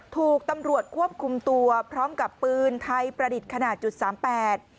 ถูกตำรวจควบคุมตัวพร้อมกับปืนไทยประดิษฐ์ขนาดจุดสามแปด